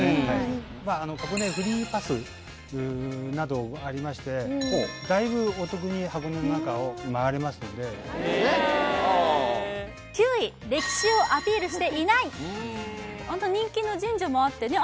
箱根フリーパスなどありましてだいぶお得に箱根のなかをまわれますのでへえ９位歴史をアピールしていない人気の神社もあってね